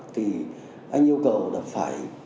thì anh yêu cầu là phải